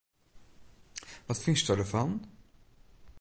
Wat fynsto derfan?